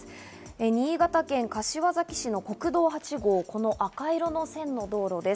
新潟県柏崎市の国道８号、この赤色の線の道路です。